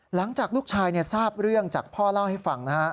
หลังจากลูกชายทราบเรื่องจากพ่อเล่าให้ฟังนะฮะ